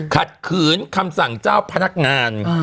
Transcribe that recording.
ขัดขืนคำสั่งเจ้าพนักงาน